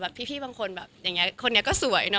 บางคนคิดคิดคิดเนี่ยคนนี้ก็สวยเนาะ